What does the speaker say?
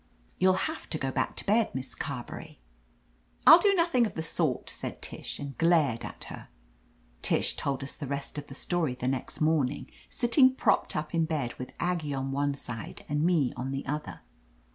You'll have to go back to bed, Miss Carberry." II 1 THE AMAZING ADVENTURES "Fll do nothing of the sort," said Tish, and glared at her. Tish told us the rest of the story the next morning, sitting propped up in bed with Aggie on one side and me on the other.